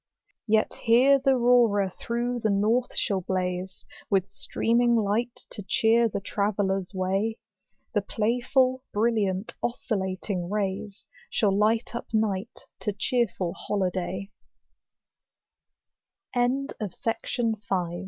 Yet here th' Aurora through the north shall blaze, With streaming light to cheer the traveller's way; The playful, brilliant, oscillating rays, Shall light up night to cheerful holid